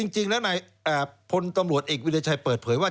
จริงแล้วนายพลตำรวจเอกวิทยาชัยเปิดเผยว่า